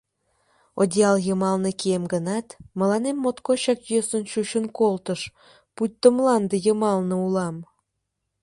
Одеял йымалне кием гынат, мыланем моткочак йӧсын чучын колтыш, пуйто мланде йымалне улам.